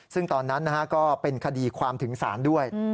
ซึ่งตอนนั้นก็เป็นคดีความถึงศาลด้วย